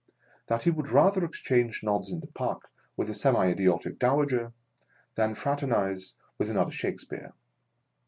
That he would rather exchange nod in the Park with a semi idiotic Dowager, than fraternise with another Shakespeare.